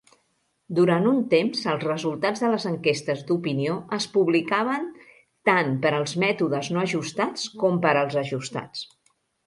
Durant un temps, els resultats de les enquestes d'opinió es publicaven tant per als mètodes no ajustats com per als ajustats.